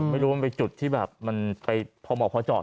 ไม่รู้ว่ามันไปจุดที่ไปพ่อโมกพ่อจอด